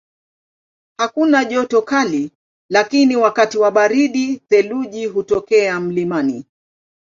Hakuna joto kali lakini wakati wa baridi theluji hutokea mlimani.